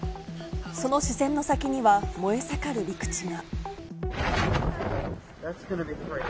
その視線の先には燃え盛る陸地が。